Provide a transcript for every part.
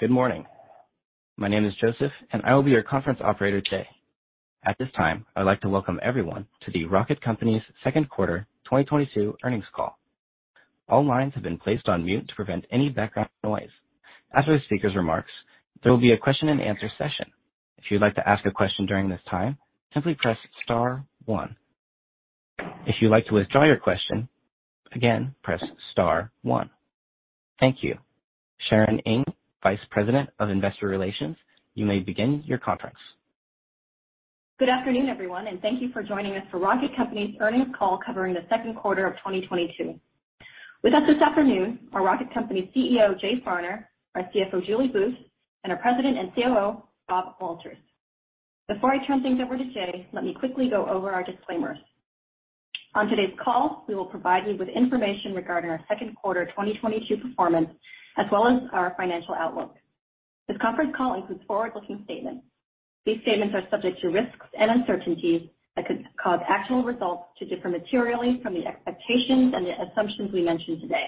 Good morning. My name is Joseph, and I will be your conference operator today. At this time, I'd like to welcome everyone to the Rocket Companies' second quarter 2022 earnings call. All lines have been placed on mute to prevent any background noise. After the speaker's remarks, there will be a question and answer session. If you'd like to ask a question during this time, simply press star one. If you'd like to withdraw your question, again, press star one. Thank you. Sharon Ng, Vice President of Investor Relations, you may begin your conference. Good afternoon, everyone, and thank you for joining us for Rocket Companies' earnings call covering the second quarter of 2022. With us this afternoon, our Rocket Companies CEO, Jay Farner, our CFO, Julie Booth, and our President and COO, Bob Walters. Before I turn things over to Jay, let me quickly go over our disclaimers. On today's call, we will provide you with information regarding our second quarter 2022 performance, as well as our financial outlook. This conference call includes forward-looking statements. These statements are subject to risks and uncertainties that could cause actual results to differ materially from the expectations and the assumptions we mention today.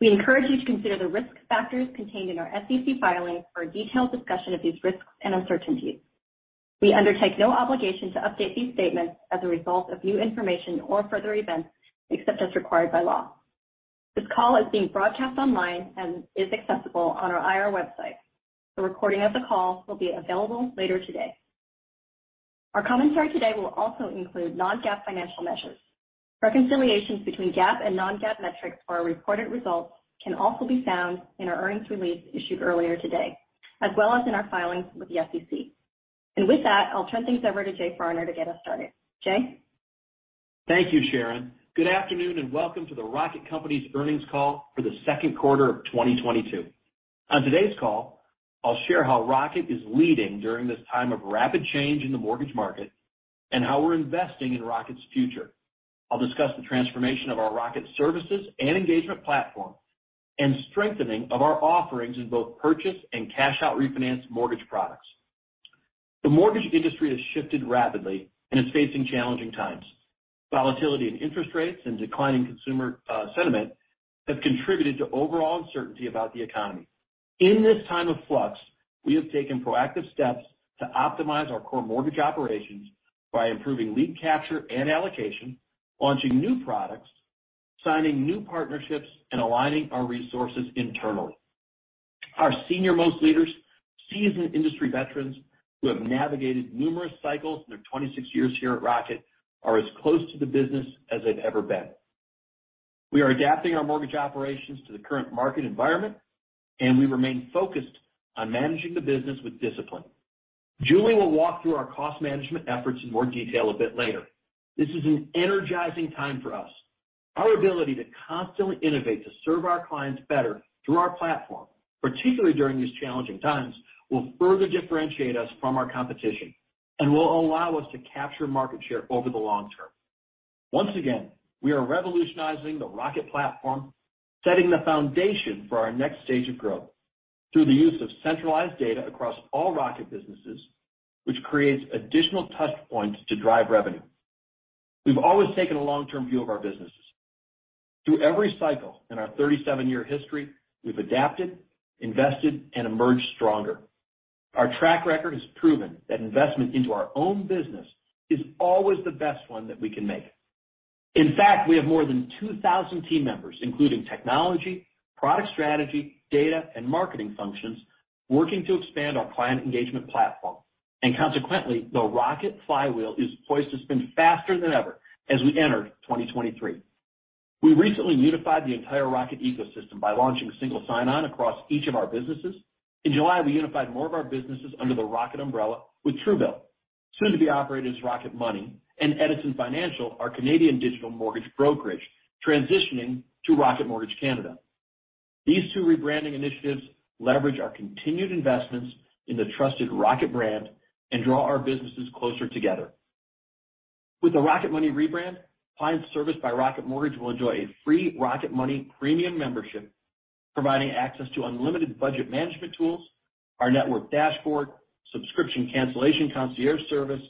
We encourage you to consider the risk factors contained in our SEC filings for a detailed discussion of these risks and uncertainties. We undertake no obligation to update these statements as a result of new information or further events, except as required by law. This call is being broadcast online and is accessible on our IR website. The recording of the call will be available later today. Our commentary today will also include non-GAAP financial measures. Reconciliations between GAAP and non-GAAP metrics for our reported results can also be found in our earnings release issued earlier today, as well as in our filings with the SEC. With that, I'll turn things over to Jay Farner to get us started. Jay? Thank you, Sharon. Good afternoon, and welcome to the Rocket Companies' earnings call for the second quarter of 2022. On today's call, I'll share how Rocket is leading during this time of rapid change in the mortgage market and how we're investing in Rocket's future. I'll discuss the transformation of our Rocket services and engagement platform and strengthening of our offerings in both purchase and cash out refinance mortgage products. The mortgage industry has shifted rapidly and is facing challenging times. Volatility in interest rates and declining consumer sentiment have contributed to overall uncertainty about the economy. In this time of flux, we have taken proactive steps to optimize our core mortgage operations by improving lead capture and allocation, launching new products, signing new partnerships, and aligning our resources internally. Our senior-most leaders, seasoned industry veterans who have navigated numerous cycles in their 26 years here at Rocket, are as close to the business as they've ever been. We are adapting our mortgage operations to the current market environment, and we remain focused on managing the business with discipline. Julie will walk through our cost management efforts in more detail a bit later. This is an energizing time for us. Our ability to constantly innovate to serve our clients better through our platform, particularly during these challenging times, will further differentiate us from our competition and will allow us to capture market share over the long term. Once again, we are revolutionizing the Rocket platform, setting the foundation for our next stage of growth through the use of centralized data across all Rocket businesses, which creates additional touch points to drive revenue. We've always taken a long-term view of our businesses. Through every cycle in our 37-year history, we've adapted, invested, and emerged stronger. Our track record has proven that investment into our own business is always the best one that we can make. In fact, we have more than 2,000 team members, including technology, product strategy, data, and marketing functions, working to expand our client engagement platform. Consequently, the Rocket flywheel is poised to spin faster than ever as we enter 2023. We recently unified the entire Rocket ecosystem by launching single sign-on across each of our businesses. In July, we unified more of our businesses under the Rocket umbrella with Truebill, soon to be operated as Rocket Money, and Edison Financial, our Canadian digital mortgage brokerage, transitioning to Rocket Mortgage Canada. These two rebranding initiatives leverage our continued investments in the trusted Rocket brand and draw our businesses closer together. With the Rocket Money rebrand, clients serviced by Rocket Mortgage will enjoy a free Rocket Money premium membership, providing access to unlimited budget management tools, our network dashboard, subscription cancellation concierge service,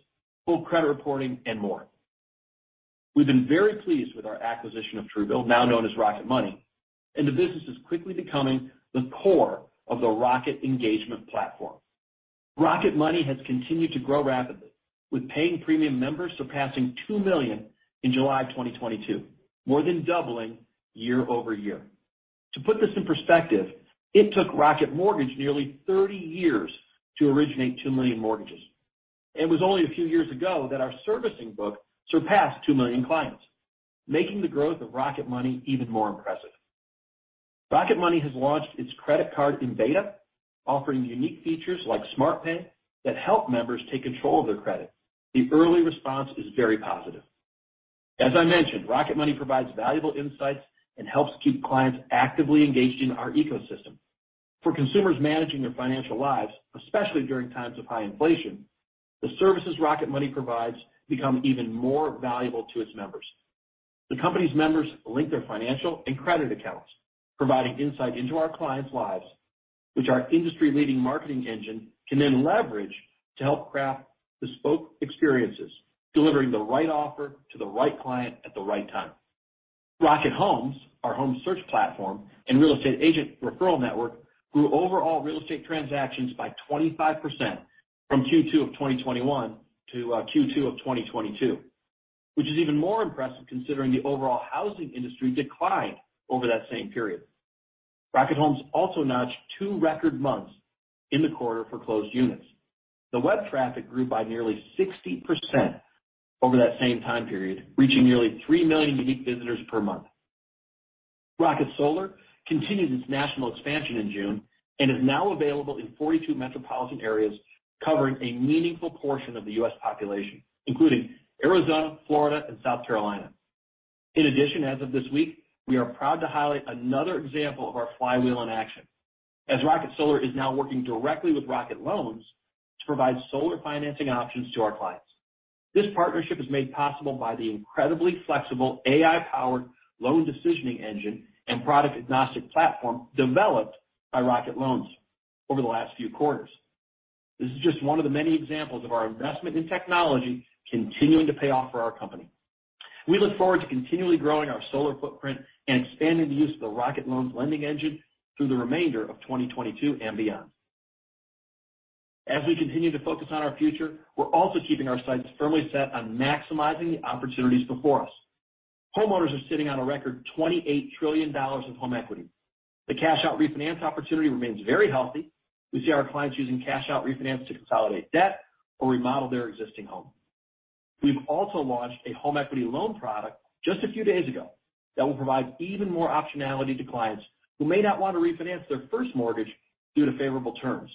full credit reporting, and more. We've been very pleased with our acquisition of Truebill, now known as Rocket Money, and the business is quickly becoming the core of the Rocket engagement platform. Rocket Money has continued to grow rapidly, with paying premium members surpassing 2 million in July 2022, more than doubling year-over-year. To put this in perspective, it took Rocket Mortgage nearly 30 years to originate 2 million mortgages. It was only a few years ago that our servicing book surpassed 2 million clients, making the growth of Rocket Money even more impressive. Rocket Money has launched its credit card in beta, offering unique features like smart pay that help members take control of their credit. The early response is very positive. As I mentioned, Rocket Money provides valuable insights and helps keep clients actively engaged in our ecosystem. For consumers managing their financial lives, especially during times of high inflation, the services Rocket Money provides become even more valuable to its members. The company's members link their financial and credit accounts, providing insight into our clients' lives, which our industry-leading marketing engine can then leverage to help craft bespoke experiences, delivering the right offer to the right client at the right time. Rocket Homes, our home search platform and real estate agent referral network, grew overall real estate transactions by 25% from Q2 of 2021 to Q2 of 2022, which is even more impressive considering the overall housing industry declined over that same period. Rocket Homes also notched two record months in the quarter for closed units. The web traffic grew by nearly 60% over that same time period, reaching nearly 3 million unique visitors per month. Rocket Solar continued its national expansion in June and is now available in 42 metropolitan areas, covering a meaningful portion of the U.S. population, including Arizona, Florida, and South Carolina. In addition, as of this week, we are proud to highlight another example of our flywheel in action, as Rocket Solar is now working directly with Rocket Loans to provide solar financing options to our clients. This partnership is made possible by the incredibly flexible AI-powered loan decisioning engine and product-agnostic platform developed by Rocket Loans over the last few quarters. This is just one of the many examples of our investment in technology continuing to pay off for our company. We look forward to continually growing our solar footprint and expanding the use of the Rocket Loans lending engine through the remainder of 2022 and beyond. As we continue to focus on our future, we're also keeping our sights firmly set on maximizing the opportunities before us. Homeowners are sitting on a record $28 trillion of home equity. The cash-out refinance opportunity remains very healthy. We see our clients using cash-out refinance to consolidate debt or remodel their existing home. We've also launched a home equity loan product just a few days ago that will provide even more optionality to clients who may not want to refinance their first mortgage due to favorable terms,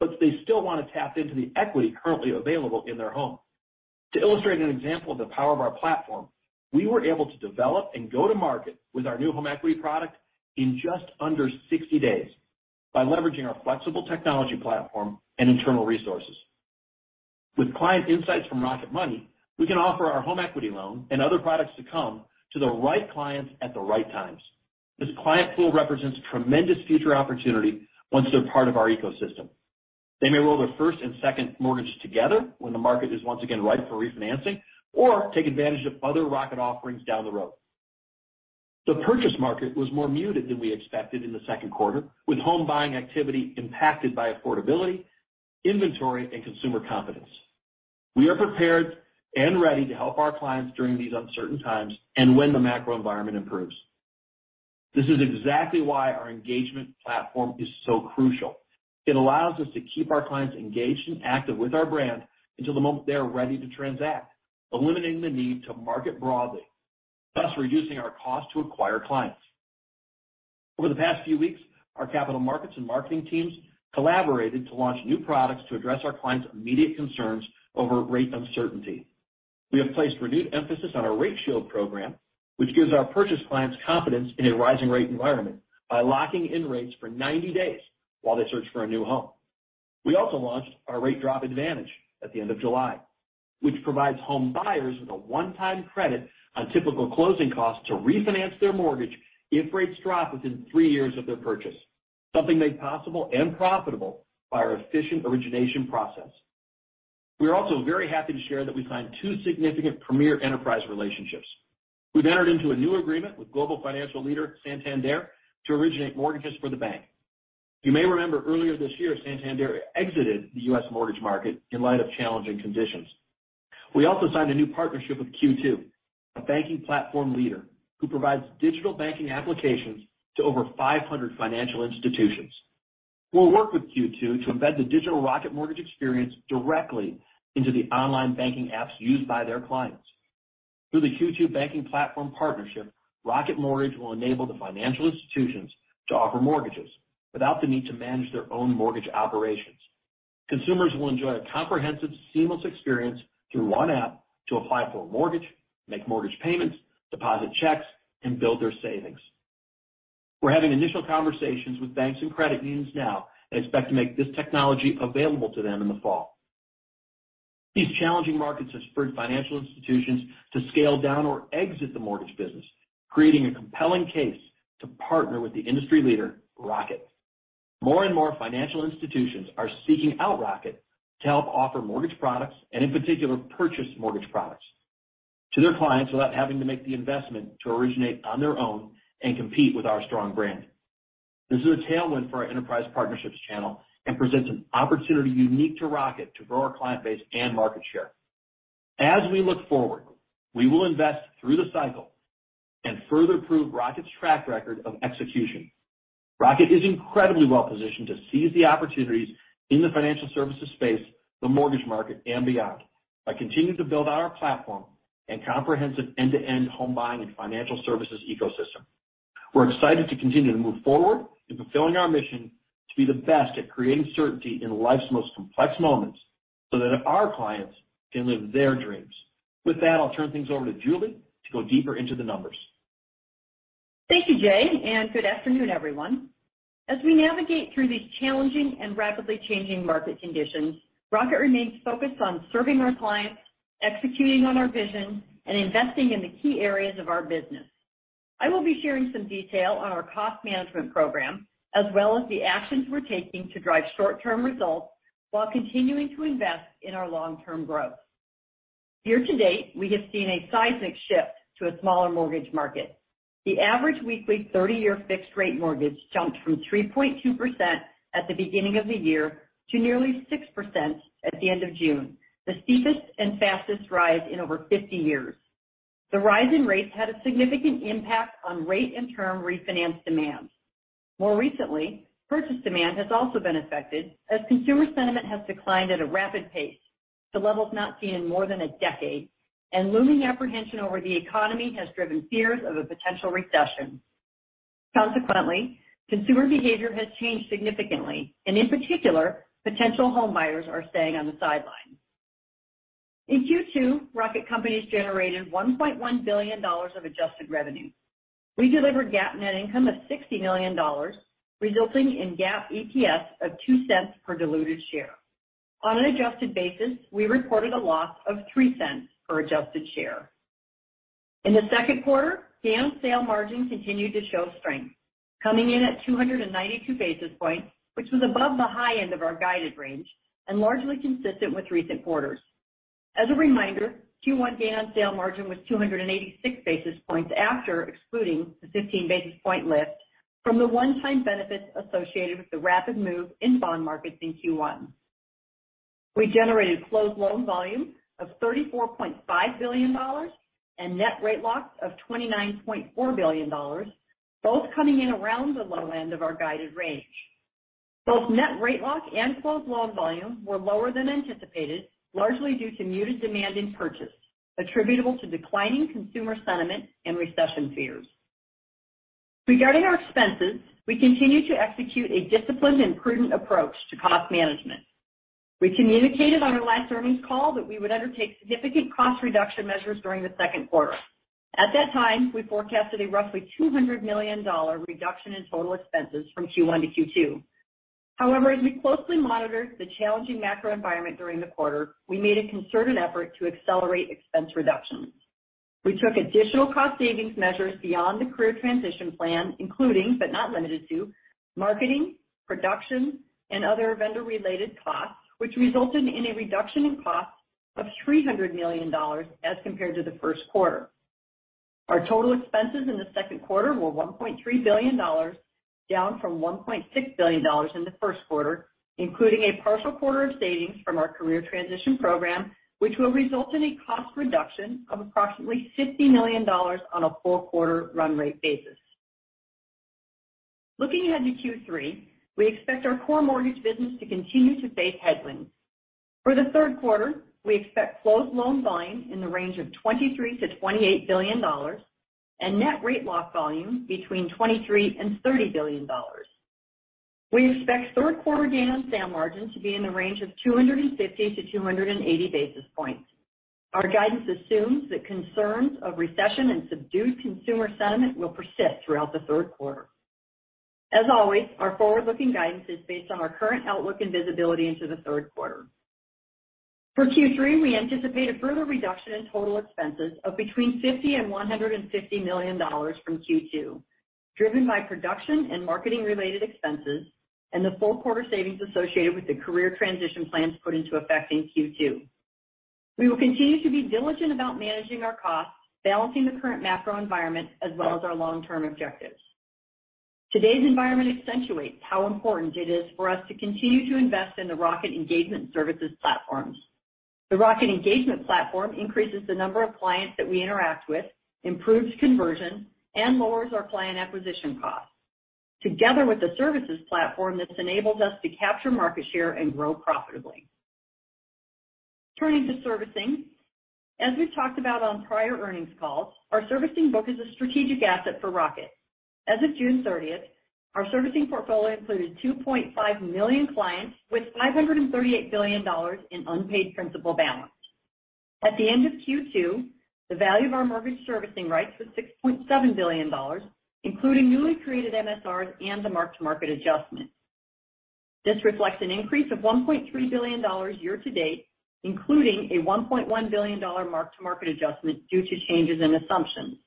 but they still wanna tap into the equity currently available in their home. To illustrate an example of the power of our platform, we were able to develop and go to market with our new home equity product in just under 60 days by leveraging our flexible technology platform and internal resources. With client insights from Rocket Money, we can offer our home equity loan and other products to come to the right clients at the right times. This client pool represents tremendous future opportunity once they're part of our ecosystem. They may roll their first and second mortgage together when the market is once again ripe for refinancing or take advantage of other Rocket offerings down the road. The purchase market was more muted than we expected in the second quarter, with home buying activity impacted by affordability, inventory, and consumer confidence. We are prepared and ready to help our clients during these uncertain times and when the macro environment improves. This is exactly why our engagement platform is so crucial. It allows us to keep our clients engaged and active with our brand until the moment they are ready to transact, eliminating the need to market broadly, thus reducing our cost to acquire clients. Over the past few weeks, our capital markets and marketing teams collaborated to launch new products to address our clients' immediate concerns over rate uncertainty. We have placed renewed emphasis on our RateShield program, which gives our purchase clients confidence in a rising rate environment by locking in rates for 90 days while they search for a new home. We also launched our Rate Drop Advantage at the end of July, which provides home buyers with a one-time credit on typical closing costs to refinance their mortgage if rates drop within 3 years of their purchase, something made possible and profitable by our efficient origination process. We are also very happy to share that we signed 2 significant premier enterprise relationships. We've entered into a new agreement with global financial leader Santander to originate mortgages for the bank. You may remember earlier this year, Santander exited the U.S. mortgage market in light of challenging conditions. We also signed a new partnership with Q2, a banking platform leader who provides digital banking applications to over 500 financial institutions. We'll work with Q2 to embed the digital Rocket Mortgage experience directly into the online banking apps used by their clients. Through the Q2 banking platform partnership, Rocket Mortgage will enable the financial institutions to offer mortgages without the need to manage their own mortgage operations. Consumers will enjoy a comprehensive, seamless experience through one app to apply for a mortgage, make mortgage payments, deposit checks, and build their savings. We're having initial conversations with banks and credit unions now and expect to make this technology available to them in the fall. These challenging markets have spurred financial institutions to scale down or exit the mortgage business, creating a compelling case to partner with the industry leader, Rocket. More and more financial institutions are seeking out Rocket to help offer mortgage products, and in particular, purchase mortgage products, to their clients without having to make the investment to originate on their own and compete with our strong brand. This is a tailwind for our enterprise partnerships channel and presents an opportunity unique to Rocket to grow our client base and market share. As we look forward, we will invest through the cycle and further prove Rocket's track record of execution. Rocket is incredibly well-positioned to seize the opportunities in the financial services space, the mortgage market, and beyond, by continuing to build out our platform and comprehensive end-to-end home buying and financial services ecosystem. We're excited to continue to move forward in fulfilling our mission to be the best at creating certainty in life's most complex moments so that our clients can live their dreams. With that, I'll turn things over to Julie to go deeper into the numbers. Thank you, Jay, and good afternoon, everyone. As we navigate through these challenging and rapidly changing market conditions, Rocket remains focused on serving our clients, executing on our vision, and investing in the key areas of our business. I will be sharing some detail on our cost management program, as well as the actions we're taking to drive short-term results while continuing to invest in our long-term growth. Year-to-date, we have seen a seismic shift to a smaller mortgage market. The average weekly 30-year fixed rate mortgage jumped from 3.2% at the beginning of the year to nearly 6% at the end of June, the steepest and fastest rise in over 50 years. The rise in rates had a significant impact on rate and term refinance demand. More recently, purchase demand has also been affected as consumer sentiment has declined at a rapid pace to levels not seen in more than a decade, and looming apprehension over the economy has driven fears of a potential recession. Consequently, consumer behavior has changed significantly, and in particular, potential homebuyers are staying on the sidelines. In Q2, Rocket Companies generated $1.1 billion of adjusted revenue. We delivered GAAP net income of $60 million, resulting in GAAP EPS of $0.02 per diluted share. On an adjusted basis, we reported a loss of $0.03 per adjusted share. In the second quarter, gain on sale margin continued to show strength, coming in at 292 basis points, which was above the high end of our guided range and largely consistent with recent quarters. As a reminder, Q1 gain on sale margin was 286 basis points after excluding the 15 basis point lift from the one-time benefits associated with the rapid move in bond markets in Q1. We generated closed loan volume of $34.5 billion and net rate locks of $29.4 billion, both coming in around the low end of our guided range. Both net rate lock and closed loan volume were lower than anticipated, largely due to muted demand in purchase, attributable to declining consumer sentiment and recession fears. Regarding our expenses, we continue to execute a disciplined and prudent approach to cost management. We communicated on our last earnings call that we would undertake significant cost reduction measures during the second quarter. At that time, we forecasted a roughly $200 million reduction in total expenses from Q1 to Q2. However, as we closely monitored the challenging macro environment during the quarter, we made a concerted effort to accelerate expense reductions. We took additional cost savings measures beyond the career transition plan, including, but not limited to, marketing, production, and other vendor-related costs, which resulted in a reduction in costs of $300 million as compared to the first quarter. Our total expenses in the second quarter were $1.3 billion, down from $1.6 billion in the first quarter, including a partial quarter of savings from our career transition program, which will result in a cost reduction of approximately $50 million on a full quarter run rate basis. Looking ahead to Q3, we expect our core mortgage business to continue to face headwinds. For the third quarter, we expect closed loan volume in the range of $23 billion-$28 billion and net rate lock volume between $23 billion-$30 billion. We expect third quarter gain on sale margin to be in the range of 250-280 basis points. Our guidance assumes that concerns of recession and subdued consumer sentiment will persist throughout the third quarter. As always, our forward-looking guidance is based on our current outlook and visibility into the third quarter. For Q3, we anticipate a further reduction in total expenses of between $50 million and $150 million from Q2, driven by production and marketing-related expenses and the full quarter savings associated with the career transition plans put into effect in Q2. We will continue to be diligent about managing our costs, balancing the current macro environment as well as our long-term objectives. Today's environment accentuates how important it is for us to continue to invest in the Rocket Engagement Services platforms. The Rocket Engagement platform increases the number of clients that we interact with, improves conversion, and lowers our client acquisition costs. Together with the services platform, this enables us to capture market share and grow profitably. Turning to servicing. As we've talked about on prior earnings calls, our servicing book is a strategic asset for Rocket. As of June thirtieth, our servicing portfolio included 2.5 million clients with $538 billion in unpaid principal balance. At the end of Q2, the value of our mortgage servicing rights was $6.7 billion, including newly created MSRs and the mark-to-market adjustment. This reflects an increase of $1.3 billion year-to-date, including a $1.1 billion mark-to-market adjustment due to changes in assumptions.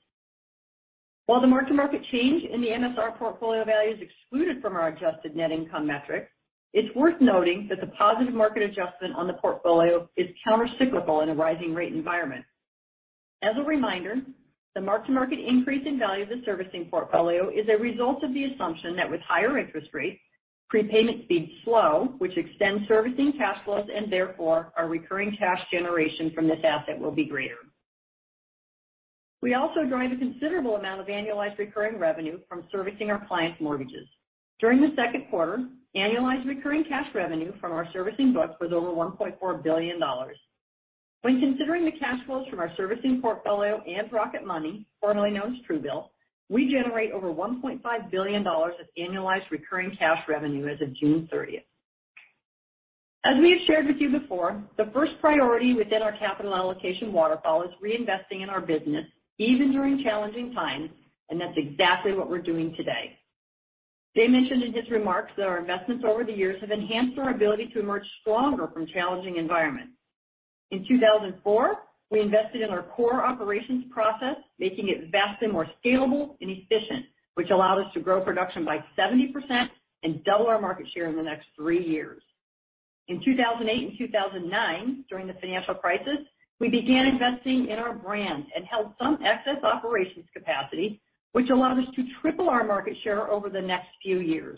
While the mark-to-market change in the MSR portfolio value is excluded from our adjusted net income metric, it's worth noting that the positive market adjustment on the portfolio is countercyclical in a rising rate environment. As a reminder, the mark-to-market increase in value of the servicing portfolio is a result of the assumption that with higher interest rates, prepayment speeds slow, which extends servicing cash flows, and therefore, our recurring cash generation from this asset will be greater. We also derive a considerable amount of annualized recurring revenue from servicing our clients' mortgages. During the second quarter, annualized recurring cash revenue from our servicing book was over $1.4 billion. When considering the cash flows from our servicing portfolio and Rocket Money, formerly known as Truebill, we generate over $1.5 billion of annualized recurring cash revenue as of June 30. As we have shared with you before, the first priority within our capital allocation waterfall is reinvesting in our business, even during challenging times, and that's exactly what we're doing today. Jay mentioned in his remarks that our investments over the years have enhanced our ability to emerge stronger from challenging environments. In 2004, we invested in our core operations process, making it vastly more scalable and efficient, which allowed us to grow production by 70% and double our market share in the next 3 years. In 2008 and 2009, during the financial crisis, we began investing in our brand and held some excess operations capacity, which allowed us to triple our market share over the next few years.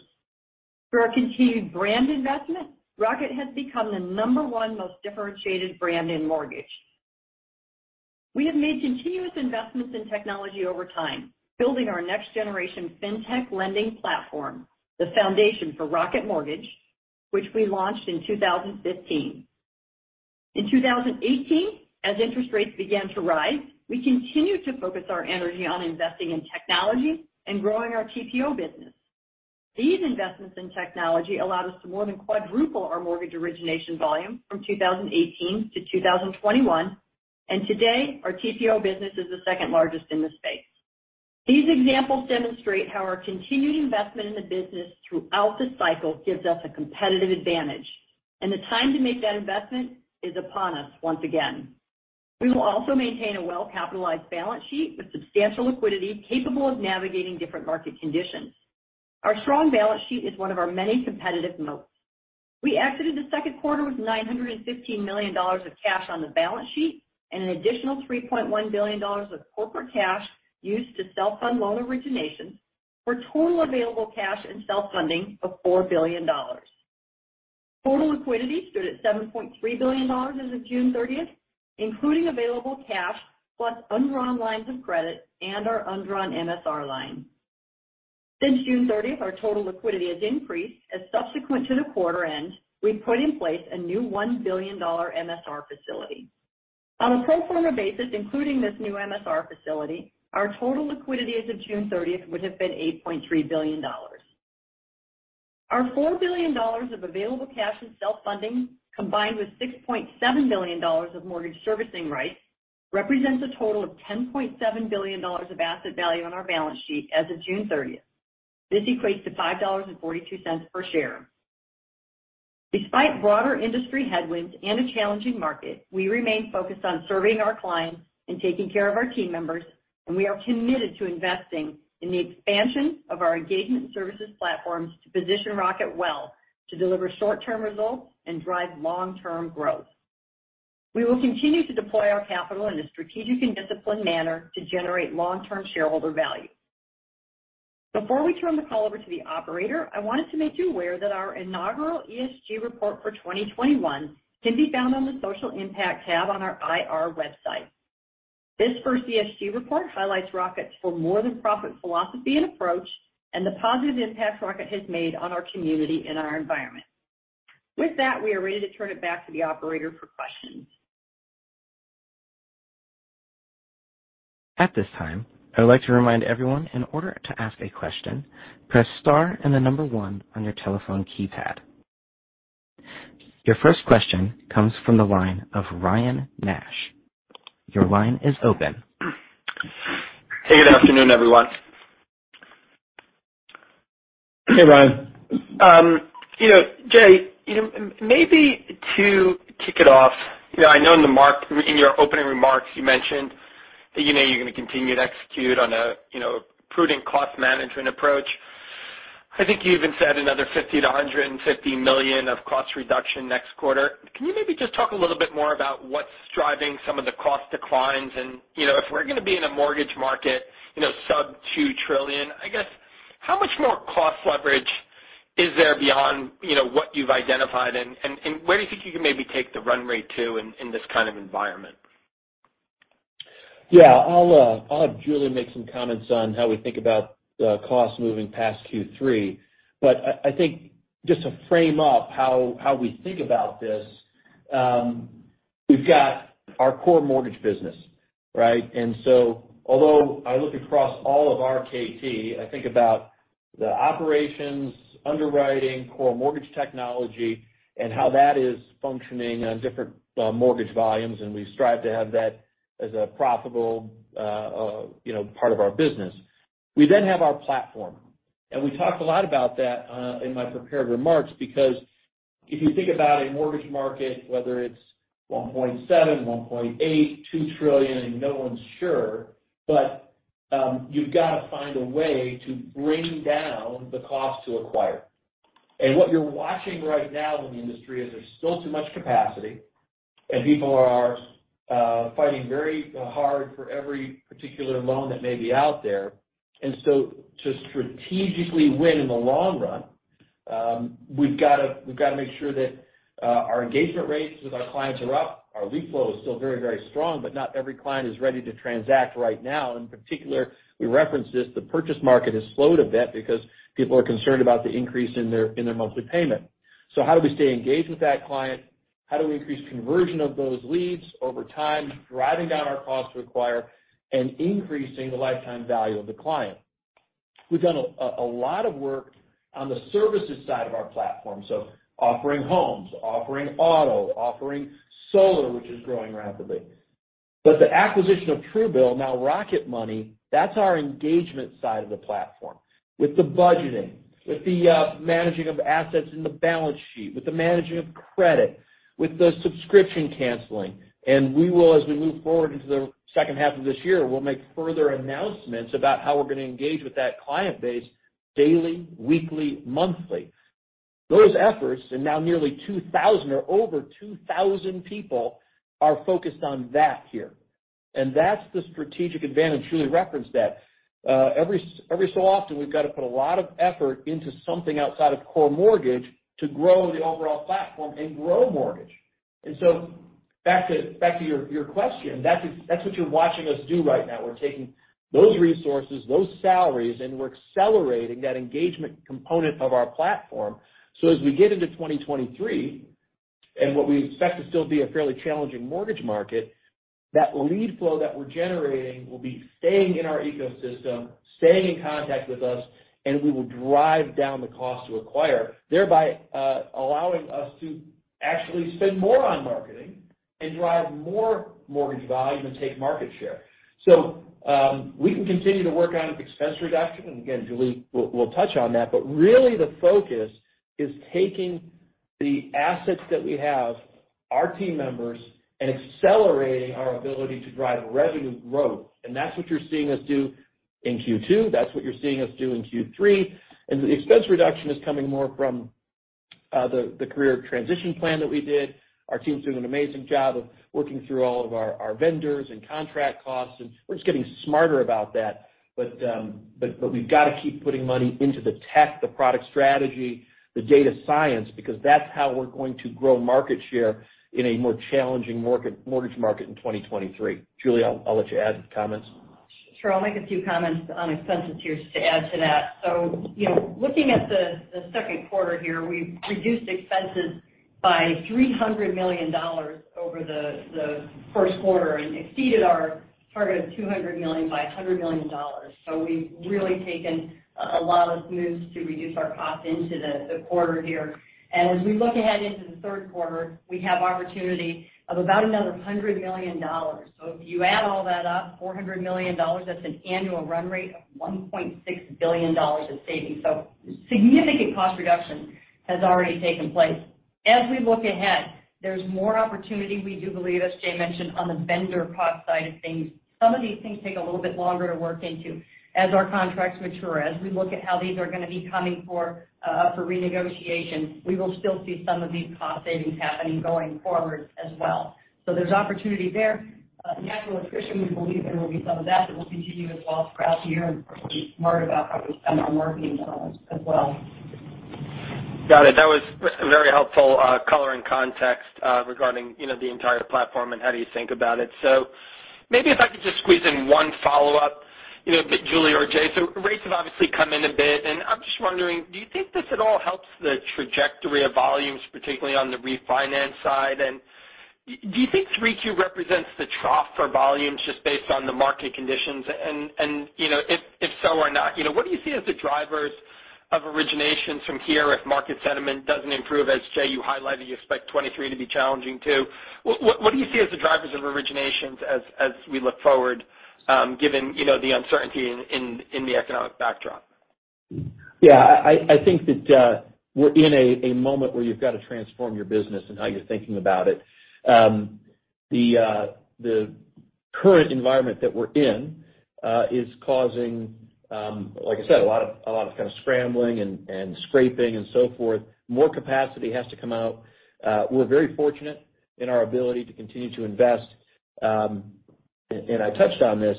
Through our continued brand investment, Rocket has become the number one most differentiated brand in mortgage. We have made continuous investments in technology over time, building our next generation fintech lending platform, the foundation for Rocket Mortgage, which we launched in 2015. In 2018, as interest rates began to rise, we continued to focus our energy on investing in technology and growing our TPO business. These investments in technology allowed us to more than quadruple our mortgage origination volume from 2018 to 2021, and today, our TPO business is the second largest in the space. These examples demonstrate how our continued investment in the business throughout the cycle gives us a competitive advantage. The time to make that investment is upon us once again. We will also maintain a well-capitalized balance sheet with substantial liquidity, capable of navigating different market conditions. Our strong balance sheet is one of our many competitive moats. We exited the second quarter with $915 million of cash on the balance sheet and an additional $3.1 billion of corporate cash used to self-fund loan originations for total available cash and self-funding of $4 billion. Total liquidity stood at $7.3 billion as of June 30, including available cash plus undrawn lines of credit and our undrawn MSR line. Since June 30, our total liquidity has increased as subsequent to the quarter end, we put in place a new $1 billion MSR facility. On a pro forma basis, including this new MSR facility, our total liquidity as of June 30 would have been $8.3 billion. Our $4 billion of available cash and self-funding, combined with $6.7 billion of mortgage servicing rights, represents a total of $10.7 billion of asset value on our balance sheet as of June 30. This equates to $5.42 per share. Despite broader industry headwinds and a challenging market, we remain focused on serving our clients and taking care of our team members, and we are committed to investing in the expansion of our engagement services platforms to position Rocket well to deliver short-term results and drive long-term growth. We will continue to deploy our capital in a strategic and disciplined manner to generate long-term shareholder value. Before we turn the call over to the operator, I wanted to make you aware that our inaugural ESG report for 2021 can be found on the Social Impact tab on our IR website. This first ESG report highlights Rocket's for more than profit philosophy and approach, and the positive impact Rocket has made on our community and our environment. With that, we are ready to turn it back to the operator for questions. At this time, I would like to remind everyone in order to ask a question, press star and the number one on your telephone keypad. Your first question comes from the line of Ryan Nash. Your line is open. Hey, good afternoon, everyone. Hey, Ryan. You know, jay maybe to kick it off I know in your opening remarks, you mentioned that you're going to continue to execute on a prudent cost management approach. I think you even said another $50 million-$150 million of cost reduction next quarter. Can you maybe just talk a little bit more about what's driving some of the cost declines? and if we're going to be in a mortgage market sub $2 trillion, I guess, how much more cost leverage is there beyond what you've identified? And where do you think you can maybe take the run rate to in this kind of environment? Yeah. I'll have Julie make some comments on how we think about the costs moving past Q3. I think just to frame up how we think about this, we've got our core mortgage business, right? Although I look across all of RKT, I think about the operations, underwriting, core mortgage technology, and how that is functioning on different mortgage volumes, and we strive to have that as a profitable part of our business. We have our platform. We talked a lot about that in my prepared remarks because if you think about a mortgage market, whether it's $1.7 trillion, $1.8 trillion, $2 trillion, no one's sure, but you've got to find a way to bring down the cost to acquire. What you're watching right now in the industry is there's still too much capacity, and people are fighting very hard for every particular loan that may be out there. To strategically win in the long run, we've gotta make sure that our engagement rates with our clients are up. Our reflow is still very, very strong, but not every client is ready to transact right now. In particular, we referenced this. The purchase market has slowed a bit because people are concerned about the increase in their monthly payment. How do we stay engaged with that client? How do we increase conversion of those leads over time, driving down our cost to acquire and increasing the lifetime value of the client? We've done a lot of work on the services side of our platform. Offering homes, offering auto, offering solar, which is growing rapidly. The acquisition of Truebill, now Rocket Money, that's our engagement side of the platform, with the budgeting, with the managing of assets in the balance sheet, with the managing of credit, with the subscription canceling. We will, as we move forward into the second half of this year, we'll make further announcements about how we're gonna engage with that client base daily, weekly, monthly. Those efforts, and now nearly 2,000 or over 2,000 people are focused on that here. That's the strategic advantage. Julie referenced that. Every so often, we've got to put a lot of effort into something outside of core mortgage to grow the overall platform and grow mortgage. Back to your question. That's what you're watching us do right now. We're taking those resources, those salaries, and we're accelerating that engagement component of our platform. As we get into 2023, and what we expect to still be a fairly challenging mortgage market, that lead flow that we're generating will be staying in our ecosystem, staying in contact with us, and we will drive down the cost to acquire, thereby allowing us to actually spend more on marketing and drive more mortgage volume and take market share. We can continue to work on expense reduction. Again, Julie will touch on that. Really the focus is taking the assets that we have, our team members, and accelerating our ability to drive revenue growth. That's what you're seeing us do in Q2. That's what you're seeing us do in Q3. The expense reduction is coming more from the career transition plan that we did. Our team's doing an amazing job of working through all of our vendors and contract costs, and we're just getting smarter about that. But we've got to keep putting money into the tech, the product strategy, the data science, because that's how we're going to grow market share in a more challenging mortgage market in 2023. Julie, I'll let you add comments. Sure. I'll make a few comments on expenses here just to add to that. You know, looking at the second quarter here, we've reduced expenses by $300 million over the first quarter and exceeded our target of $200 million by $100 million. We've really taken a lot of moves to reduce our cost into the quarter here. As we look ahead into the third quarter, we have opportunity of about another $100 million. If you add all that up, $400 million, that's an annual run rate of $1.6 billion in savings. Significant cost reduction has already taken place. As we look ahead, there's more opportunity, we do believe, as Jay mentioned, on the vendor cost side of things. Some of these things take a little bit longer to work into. As our contracts mature, as we look at how these are gonna be coming up for renegotiation, we will still see some of these cost savings happening going forward as well. There's opportunity there. Natural attrition, we believe there will be some of that will continue as well throughout the year and of course, be smart about how we spend our marketing dollars as well. Got it. That was very helpful, color and context, regarding the entire platform and how do you think about it. Maybe if I could just squeeze in one follow-up Julie or Jay. Rates have obviously come in a bit, and I'm just wondering, do you think this at all helps the trajectory of volumes, particularly on the refinance side? Do you think 3Q represents the trough for volumes just based on the market conditions? You know, if so or not what do you see as the drivers of originations from here if market sentiment doesn't improve? As Jay, you highlighted, you expect 2023 to be challenging too. What do you see as the drivers of originations as we look forward, given the uncertainty in the economic backdrop? Yeah, I think that we're in a moment where you've got to transform your business and how you're thinking about it. The current environment that we're in is causing, like I said, a lot of kind of scrambling and scraping and so forth. More capacity has to come out. We're very fortunate in our ability to continue to invest. I touched on this.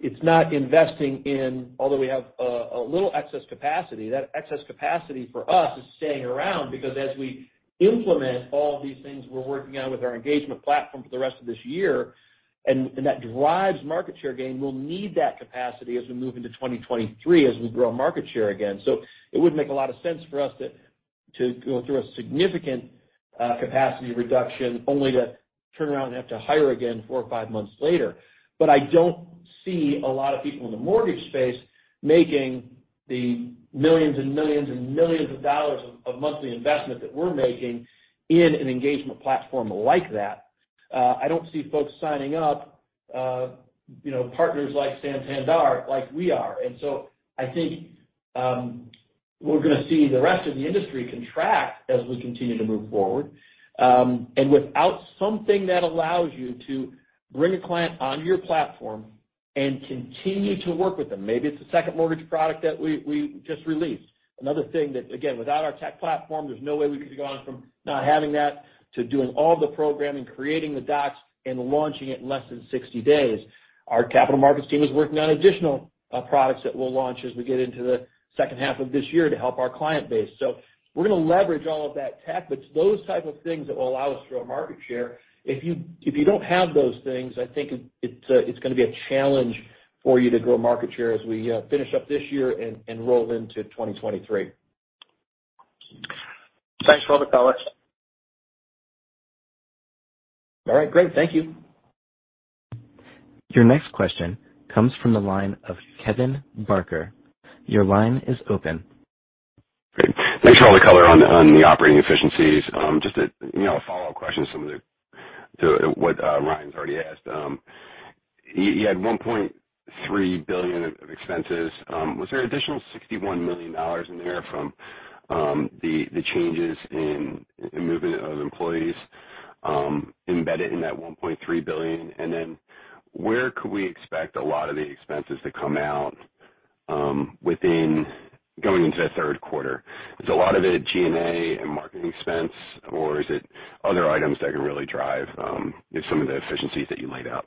It's not investing in, although we have a little excess capacity, that excess capacity for us is staying around because as we implement all these things we're working on with our engagement platform for the rest of this year, and that drives market share gain, we'll need that capacity as we move into 2023 as we grow market share again. It wouldn't make a lot of sense for us to go through a significant capacity reduction only to turn around and have to hire again four or five months later. I don't see a lot of people in the mortgage space making $ millions of monthly investment that we're making in an engagement platform like that. I don't see folks signing up partners like Santander like we are. I think we're gonna see the rest of the industry contract as we continue to move forward without something that allows you to bring a client onto your platform and continue to work with them. Maybe it's the second mortgage product that we just released. Another thing that, again, without our tech platform, there's no way we could be going from not having that to doing all the programming, creating the docs, and launching it in less than 60 days. Our capital markets team is working on additional products that we'll launch as we get into the second half of this year to help our client base. We're gonna leverage all of that tech. It's those type of things that will allow us to grow market share. If you don't have those things, I think it's gonna be a challenge for you to grow market share as we finish up this year and roll into 2023. Thanks for all the color. All right, great. Thank you. Your next question comes from the line of Kevin Barker. Your line is open. Great. Thanks for all the color on the operating efficiencies. just a follow-up question to what Ryan's already asked. You had $1.3 billion of expenses. Was there an additional $61 million in there from the changes in the movement of employees embedded in that $1.3 billion? Then where could we expect a lot of the expenses to come out within going into the third quarter? Is a lot of it G&A and marketing expense, or is it other items that can really drive some of the efficiencies that you laid out?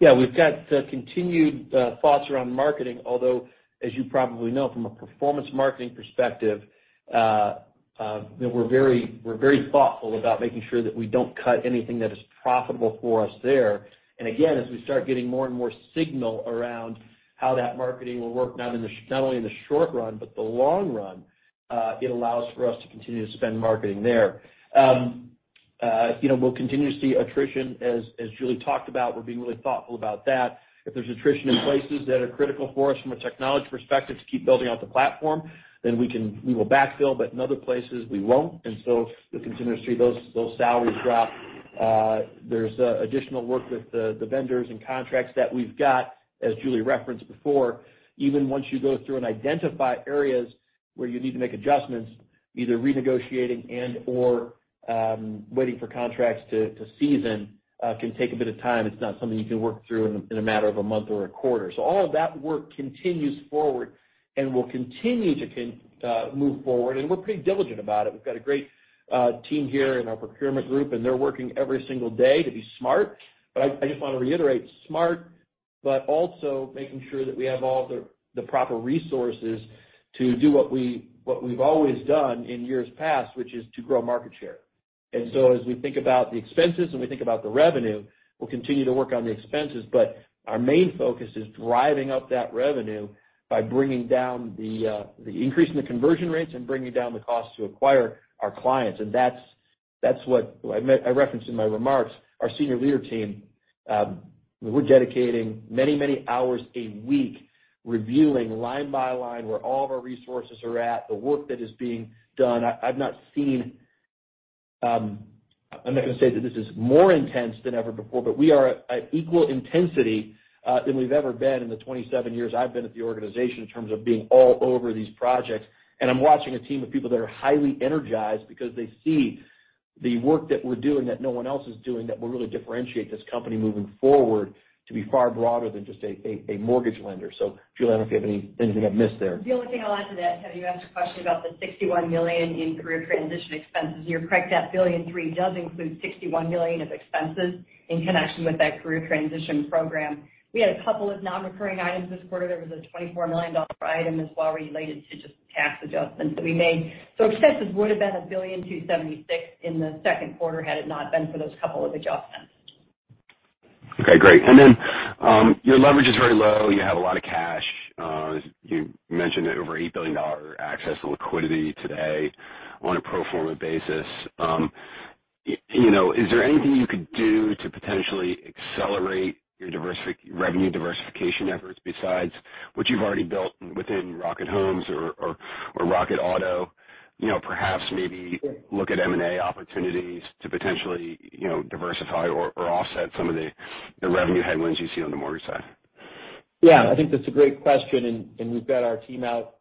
Yeah, we've got continued thoughts around marketing, although as you probably know from a performance marketing perspective we're very thoughtful about making sure that we don't cut anything that is profitable for us there. Again, as we start getting more and more signal around how that marketing will work, not only in the short run, but the long run, it allows for us to continue to spend marketing there. You know, we'll continue to see attrition, as Julie talked about. We're being really thoughtful about that. If there's attrition in places that are critical for us from a technology perspective to keep building out the platform, then we will backfill, but in other places, we won't. You'll continue to see those salaries drop. There's additional work with the vendors and contracts that we've got, as Julie referenced before. Even once you go through and identify areas where you need to make adjustments, either renegotiating and/or waiting for contracts to season, can take a bit of time. It's not something you can work through in a matter of a month or a quarter. All of that work continues forward and will continue to move forward, and we're pretty diligent about it. We've got a great team here in our procurement group, and they're working every single day to be smart. I just wanna reiterate smart, but also making sure that we have all the proper resources to do what we've always done in years past, which is to grow market share. As we think about the expenses and we think about the revenue, we'll continue to work on the expenses. Our main focus is driving up that revenue by bringing down the increase in the conversion rates and bringing down the cost to acquire our clients. That's what I referenced in my remarks. Our senior leader team, we're dedicating many hours a week reviewing line by line where all of our resources are at, the work that is being done. I've not seen. I'm not gonna say that this is more intense than ever before, but we are at equal intensity than we've ever been in the 27 years I've been at the organization in terms of being all over these projects. I'm watching a team of people that are highly energized because they see the work that we're doing that no one else is doing that will really differentiate this company moving forward to be far broader than just a mortgage lender. Julie, I don't know if you have any things that I've missed there. The only thing I'll add to that, Ted, you asked a question about the $61 million in career transition expenses. You're correct. That $1.3 billion does include $61 million of expenses in connection with that career transition program. We had a couple of non-recurring items this quarter. There was a $24 million item as well related to just tax adjustments that we made. Expenses would've been $1.276 billion in the second quarter had it not been for those couple of adjustments. Okay, great. Your leverage is very low. You have a lot of cash. You mentioned over $8 billion access to liquidity today on a pro forma basis. You know, is there anything you could do to potentially accelerate your revenue diversification efforts besides what you've already built within Rocket Homes or Rocket Auto? You know, perhaps maybe look at M&A opportunities to potentially diversify or offset some of the revenue headwinds you see on the mortgage side. Yeah, I think that's a great question, and we've got our team out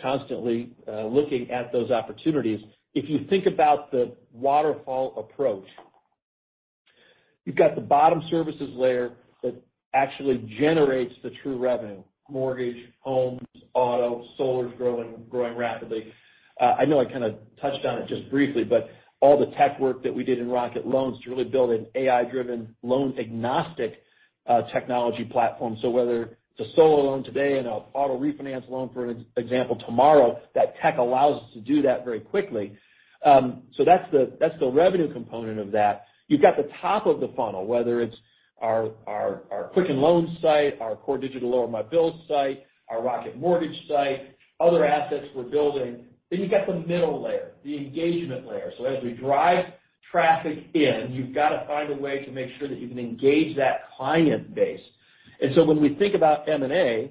constantly looking at those opportunities. If you think about the waterfall approach, you've got the bottom services layer that actually generates the true revenue. Mortgage, homes, auto. Solar's growing rapidly. I know I kinda touched on it just briefly, but all the tech work that we did in Rocket Loans to really build an AI-driven, loan-agnostic technology platform. So whether it's a solar loan today and an auto refinance loan, for example, tomorrow, that tech allows us to do that very quickly. So that's the revenue component of that. You've got the top of the funnel, whether it's our Quicken Loans site, our core digital LowerMyBills.com site, our Rocket Mortgage site, other assets we're building. You've got the middle layer, the engagement layer. As we drive traffic in, you've gotta find a way to make sure that you can engage that client base. When we think about M&A,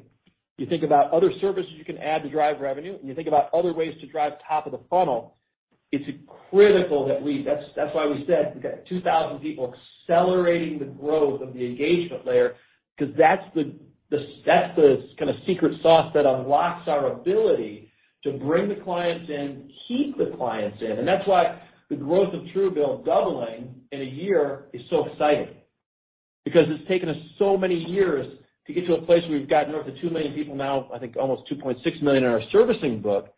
you think about other services you can add to drive revenue, and you think about other ways to drive top of the funnel. It's critical that we. That's why we said we've got 2,000 people accelerating the growth of the engagement layer because that's the kinda secret sauce that unlocks our ability to bring the clients in, keep the clients in. That's why the growth of Truebill doubling in a year is so exciting because it's taken us so many years to get to a place where we've got north of 2 million people now, I think almost 2.6 million in our servicing book.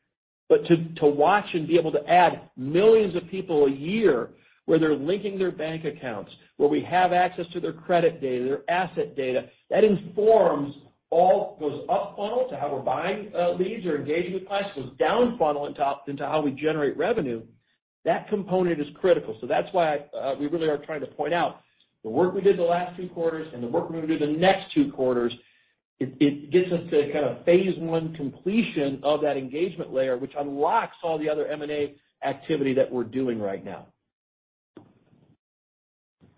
To watch and be able to add millions of people a year, where they're linking their bank accounts, where we have access to their credit data, their asset data, that informs all, goes up funnel to how we're buying leads or engaging with clients. It goes down funnel on top into how we generate revenue. That component is critical. That's why we really are trying to point out the work we did the last two quarters and the work we're gonna do the next two quarters. It gets us to kind of phase one completion of that engagement layer, which unlocks all the other M&A activity that we're doing right now.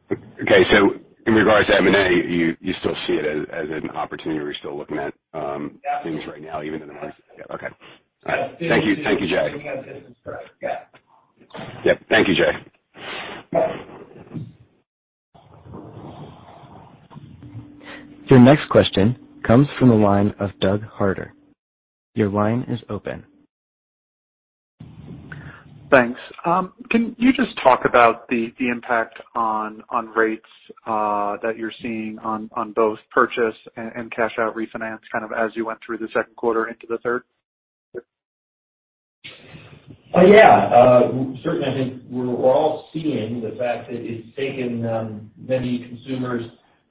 In regards to M&A, you still see it as an opportunity. Are you still looking at things right now, even in the market? Yeah, okay. All right. Thank you. Thank you, Jay. Yeah. Yeah. Thank you, Jay. Yes. Your next question comes from the line of Doug Harter. Your line is open. Thanks. Can you just talk about the impact on rates that you're seeing on both purchase and cash out refinance kind of as you went through the second quarter into the third? Yeah. Certainly, I think we're all seeing the fact that it's taken many consumers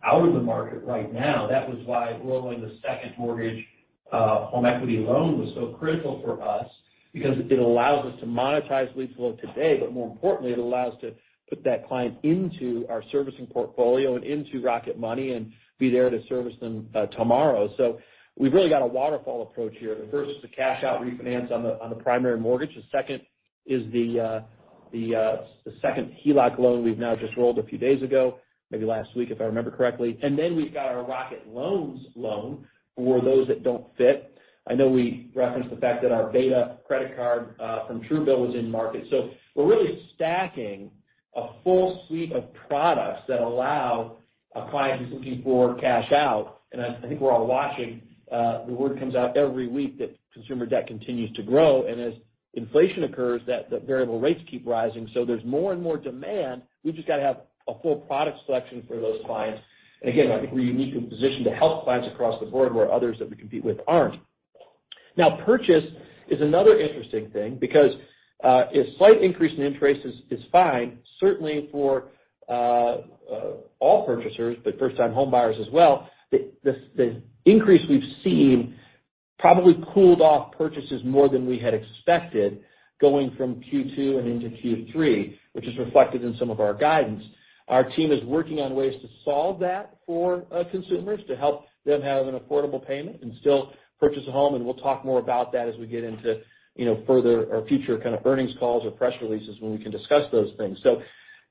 out of the market right now. That was why rolling the second mortgage home equity loan was so critical for us because it allows us to monetize lead flow today. More importantly, it allows to put that client into our servicing portfolio and into Rocket Money and be there to service them tomorrow. We've really got a waterfall approach here. The first is the cash out refinance on the primary mortgage. The second is the second HELOC loan we've now just rolled a few days ago, maybe last week, if I remember correctly. We've got our Rocket Loans loan for those that don't fit. I know we referenced the fact that our beta credit card from Truebill was in market. We're really stacking a full suite of products that allow a client who's looking for cash out. I think we're all watching, the word comes out every week that consumer debt continues to grow. As inflation occurs that the variable rates keep rising. There's more and more demand. We've just got to have a full product selection for those clients. Again, I think we're uniquely positioned to help clients across the board where others that we compete with aren't. Now, purchase is another interesting thing because a slight increase in interest rates is fine certainly for all purchasers, but first time homebuyers as well. The increase we've seen probably cooled off purchases more than we had expected going from Q2 and into Q3, which is reflected in some of our guidance. Our team is working on ways to solve that for consumers to help them have an affordable payment and still purchase a home. We'll talk more about that as we get into further or future kind of earnings calls or press releases when we can discuss those things.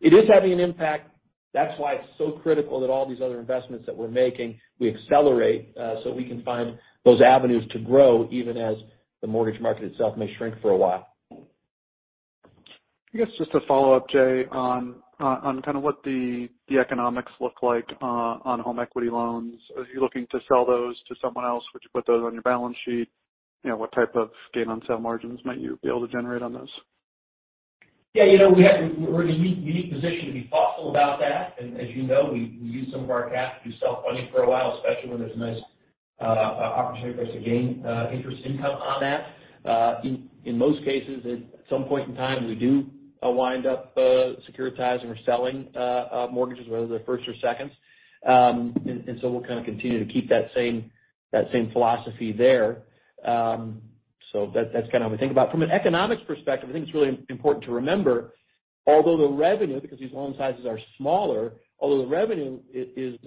It is having an impact. That's why it's so critical that all these other investments that we're making, we accelerate, so we can find those avenues to grow even as the mortgage market itself may shrink for a while. I guess just a follow-up, Jay, on kind of what the economics look like on home equity loans. Are you looking to sell those to someone else? Would you put those on your balance sheet? You know, what type of gain on sale margins might you be able to generate on those? yeah we're in a unique position to be thoughtful about that. As you know, we use some of our cash to do self-funding for a while, especially when there's a nice opportunity for us to gain interest income on that. In most cases, at some point in time, we wind up securitizing or selling mortgages, whether they're first or seconds. We'll kind of continue to keep that same philosophy there. That's kind of how we think about. From an economics perspective, I think it's really important to remember, although the revenue, because these loan sizes are smaller, although the revenue is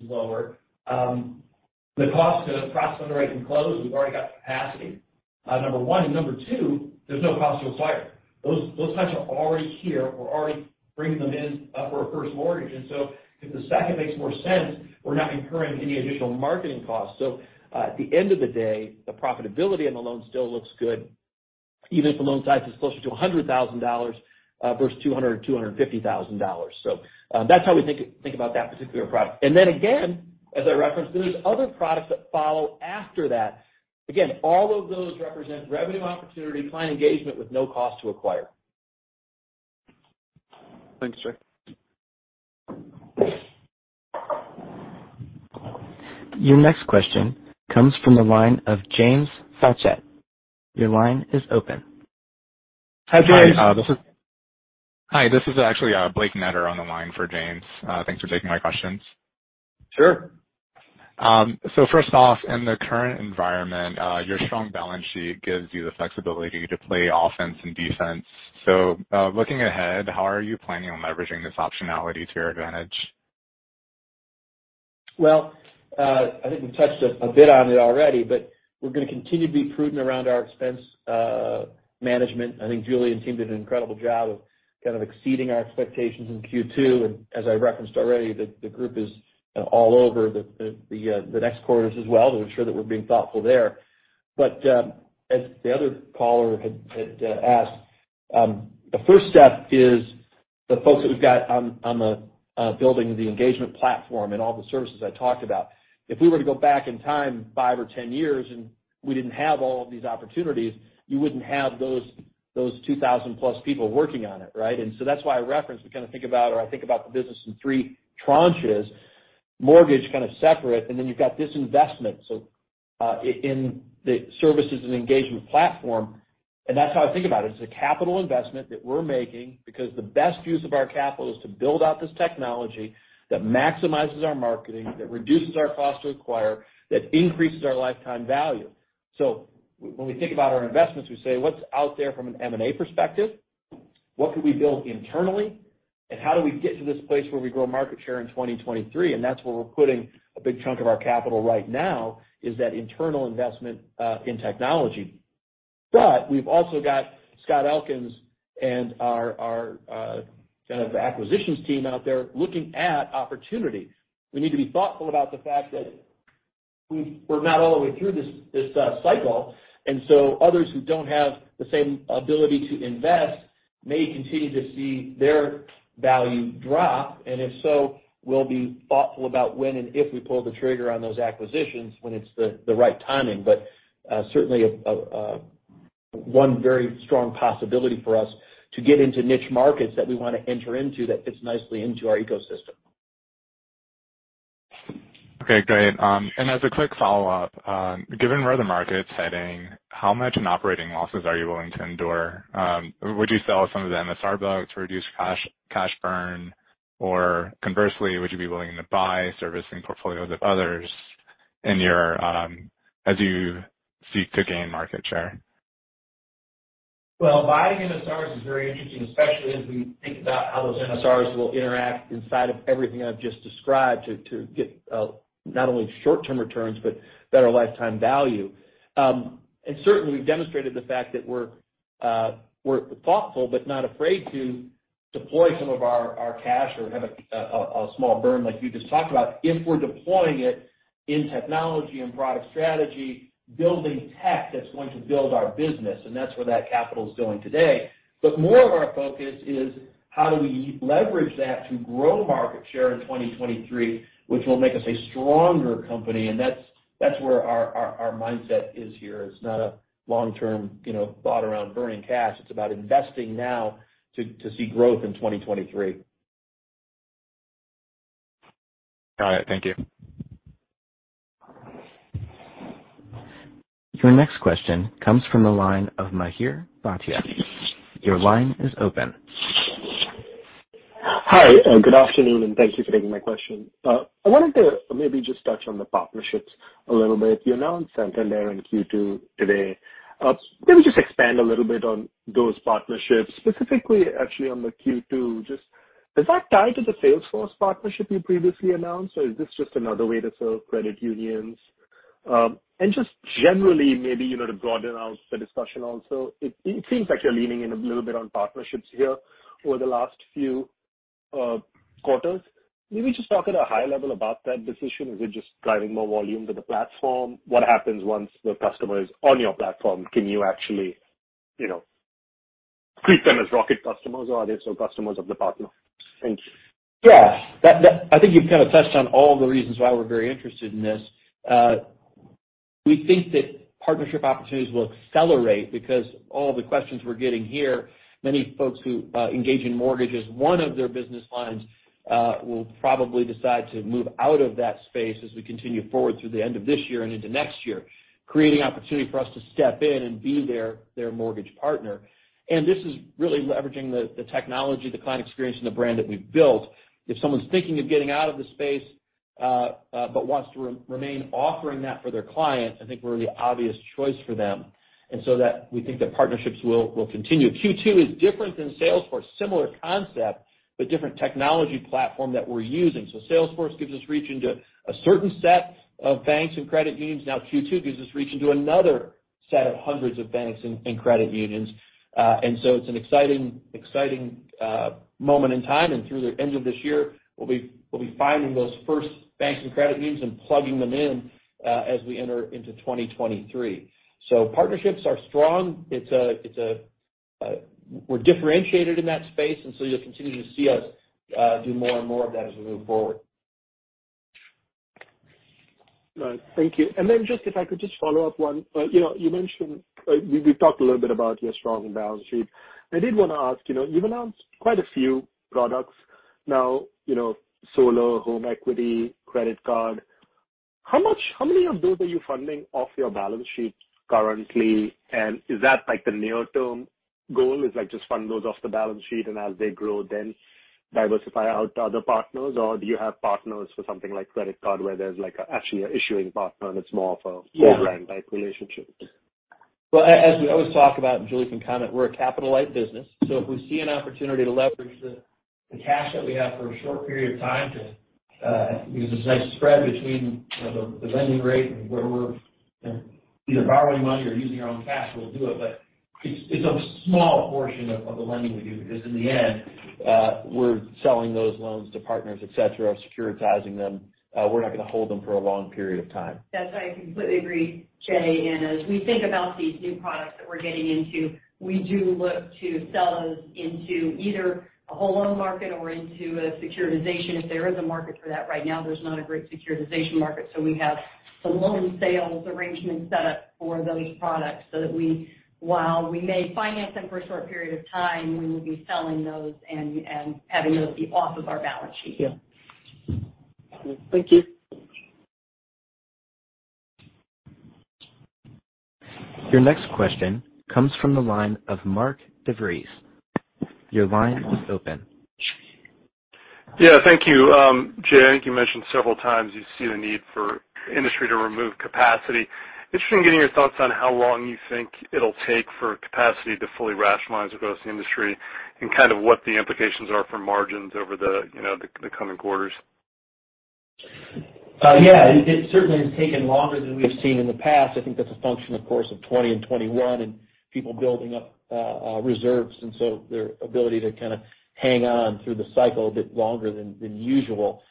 lower, the cost to process, underwrite, and close, we've already got capacity, number one. Number two, there's no cost to acquire. Those types are already here. We're already bringing them in for a first mortgage. If the second makes more sense, we're not incurring any additional marketing costs. At the end of the day, the profitability on the loan still looks good, even if the loan size is closer to $100,000 versus $200,000-$250,000. That's how we think about that particular product. Then again, as I referenced, there's other products that follow after that. Again, all of those represent revenue opportunity, client engagement with no cost to acquire. Thanks, Jay. Your next question comes from the line of James Faucette. Your line is open. Hi, James. Hi. Hi, this is actually, Blake Netter on the line for James. Thanks for taking my questions. Sure. First off, in the current environment, your strong balance sheet gives you the flexibility to play offense and defense. Looking ahead, how are you planning on leveraging this optionality to your advantage? Well, I think we've touched a bit on it already, but we're gonna continue to be prudent around our expense management. I think Julie and team did an incredible job of kind of exceeding our expectations in Q2. As I referenced already, the group is all over the next quarters as well to ensure that we're being thoughtful there. As the other caller had asked, the first step is the folks that we've got on building the engagement platform and all the services I talked about. If we were to go back in time five or 10 years and we didn't have all of these opportunities, you wouldn't have those 2,000 plus people working on it, right? That's why I referenced, we kind of think about or I think about the business in three tranches. Mortgage kind of separate, and then you've got this investment in the services and engagement platform, and that's how I think about it. It's a capital investment that we're making because the best use of our capital is to build out this technology that maximizes our marketing, that reduces our cost to acquire, that increases our lifetime value. When we think about our investments, we say, what's out there from an M&A perspective? What could we build internally, and how do we get to this place where we grow market share in 2023? That's where we're putting a big chunk of our capital right now, is that internal investment in technology. We've also got Scott Elkins and our kind of acquisitions team out there looking at opportunity. We need to be thoughtful about the fact that we're not all the way through this cycle. Others who don't have the same ability to invest may continue to see their value drop. If so, we'll be thoughtful about when and if we pull the trigger on those acquisitions when it's the right timing. Certainly a one very strong possibility for us to get into niche markets that we wanna enter into that fits nicely into our ecosystem. Okay, great. As a quick follow-up, given where the market's heading, how much in operating losses are you willing to endure? Would you sell some of the MSR books to reduce cash burn? Or conversely, would you be willing to buy servicing portfolios of others in your, as you seek to gain market share? Well, buying MSRs is very interesting, especially as we think about how those MSRs will interact inside of everything I've just described to get not only short-term returns but better lifetime value. Certainly we've demonstrated the fact that we're thoughtful but not afraid to deploy some of our cash or have a small burn like you just talked about, if we're deploying it in technology and product strategy, building tech that's going to build our business, and that's where that capital is going today. More of our focus is how do we leverage that to grow market share in 2023, which will make us a stronger company. That's where our mindset is here. It's not a long-term thought around burning cash. It's about investing now to see growth in 2023. All right. Thank you. Your next question comes from the line of Mihir Bhatia. Your line is open. Hi, good afternoon, and thank you for taking my question. I wanted to maybe just touch on the partnerships a little bit. You announced Q2 in Q2 today. Maybe just expand a little bit on those partnerships, specifically actually on the Q2. Just, is that tied to the Salesforce partnership you previously announced, or is this just another way to serve credit unions? Just generally maybe to broaden out the discussion also, it seems like you're leaning in a little bit on partnerships here over the last few quarters. Maybe just talk at a high level about that decision. Is it just driving more volume to the platform? What happens once the customer is on your platform? Can you actually treat them as Rocket customers, or are they still customers of the partner? Thank you. Yeah. That, I think you've kind of touched on all the reasons why we're very interested in this. We think that partnership opportunities will accelerate because all the questions we're getting here, many folks who engage in mortgage as one of their business lines will probably decide to move out of that space as we continue forward through the end of this year and into next year, creating opportunity for us to step in and be their mortgage partner. This is really leveraging the technology, the client experience, and the brand that we've built. If someone's thinking of getting out of the space but wants to remain offering that for their clients, I think we're the obvious choice for them. We think that partnerships will continue. Q2 is different than Salesforce, similar concept, but different technology platform that we're using. Salesforce gives us reach into a certain set of banks and credit unions. Now, Q2 gives us reach into another set of hundreds of banks and credit unions. It's an exciting moment in time. Through the end of this year, we'll be finding those first banks and credit unions and plugging them in as we enter into 2023. Partnerships are strong. We're differentiated in that space, and you'll continue to see us do more and more of that as we move forward. Right. Thank you. Then just if I could just follow up one. You know, you mentioned, we've talked a little bit about your strengthening balance sheet. I did wanna ask you've announced quite a few products now Solar, home equity, credit card. How many of those are you funding off your balance sheets currently? And is that like the near-term goal is like just fund those off the balance sheet and as they grow then diversify out to other partners? Or do you have partners for something like credit card where there's like actually a issuing partner and it's more of a co-brand type relationship? Well, as we always talk about, and Julie can comment, we're a capital-light business. If we see an opportunity to leverage the cash that we have for a short period of time to use this nice spread between the lending rate and where we're either borrowing money or using our own cash, we'll do it. It's a small portion of the lending we do because in the end, we're selling those loans to partners, et cetera, securitizing them. We're not gonna hold them for a long period of time. That's right. I completely agree, Jay. As we think about these new products that we're getting into, we do look to sell those into either a whole loan market or into a securitization if there is a market for that. Right now, there's not a great securitization market, so we have some loan sales arrangements set up for those products so that we, while we may finance them for a short period of time, we will be selling those and having those be off of our balance sheet. Yeah. Thank you. Your next question comes from the line of Mark DeVries. Your line is open. Yeah. Thank you. Jay, I think you mentioned several times you see the need for industry to remove capacity. Interested in getting your thoughts on how long you think it'll take for capacity to fully rationalize across the industry and kind of what the implications are for margins over the the coming quarters? Yeah, it certainly has taken longer than we have seen in the past. I think that's a function, of course, of 2020 and 2021 and people building up reserves, and so their ability to kinda hang on through the cycle a bit longer than usual.